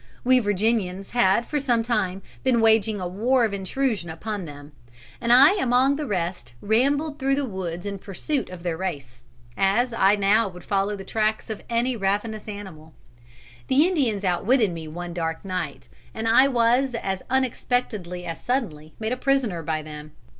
We Virginians had for some time been waging a war of intrusion upon them, and I among the rest rambled through the woods in pursuit of their race, as I now would follow the tracks of any ravenous animal. The Indians outwitted me one dark night, and I was as unexpectedly as suddenly made a prisoner by them.